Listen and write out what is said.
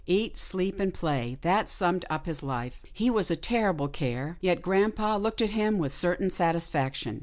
Eat, sleep and play, that summed up his life. He was a terrible care, yet grampa looked at him with a certain satisfaction.